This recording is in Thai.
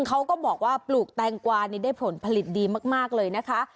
เขาก็บอกว่าปลูกแตงกวานี่ได้ผลผลิตดีมากเลยนะคะ